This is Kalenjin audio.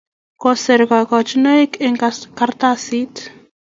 Ko ger kakochinoik eng kartasit